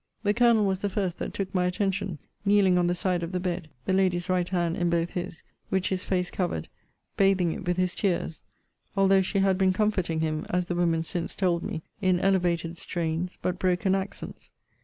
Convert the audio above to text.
The Colonel was the first that took my attention, kneeling on the side of the bed, the lady's right hand in both his, which his face covered, bathing it with his tears; although she had been comforting him, as the women since told me, in elevated strains, but broken accents.